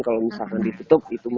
kalau misalkan ditutup itu